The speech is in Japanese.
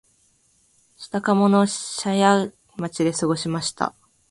下鴨の社家町で過ごしました